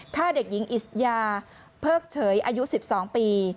ฆ่าเด็กหญิงอิสยาเพิกเฉยอายุ๑๒ปี